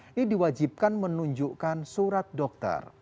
ini diwajibkan menunjukkan surat dokter